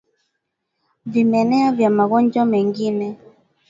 Vimelea vya magonjwa mengine